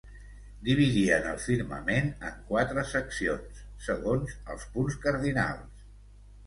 Dividien el firmament en quatre seccions segons els punts cardinals.